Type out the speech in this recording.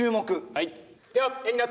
はい！